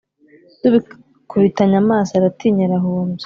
Dukubitanye amaso Aratinya arahumbya.